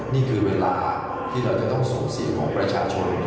นี่คือเวลาที่เราจะต้องส่งเสียงของประชาชน